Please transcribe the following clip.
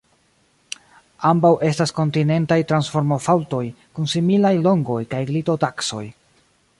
Ambaŭ estas kontinentaj transformofaŭltoj kun similaj longoj kaj glitotaksoj.